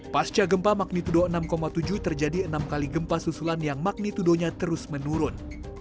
pasca gempa magnitudo enam tujuh terjadi enam kali gempa susulan yang magnitudonya terus menurun